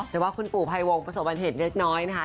แต่ว่าคุณปู่ภัยวงประสบบัติเหตุเล็กน้อยนะคะ